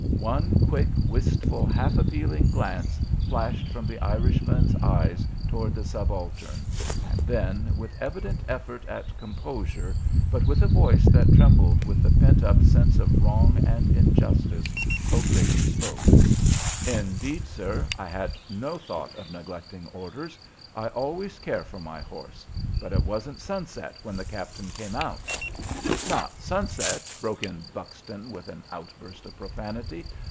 One quick, wistful, half appealing glance flashed from the Irishman's eyes towards the subaltern, and then, with evident effort at composure, but with a voice that trembled with the pent up sense of wrong and injustice, O'Grady spoke: "Indeed, sir, I had no thought of neglecting orders. I always care for my horse; but it wasn't sunset when the captain came out " "Not sunset!" broke in Buxton, with an outburst of profanity.